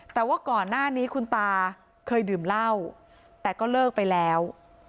แต่ว่าก่อนหน้านี้คุณตาเคยดื่มเหล้าแต่ก็เลิกไปแล้ว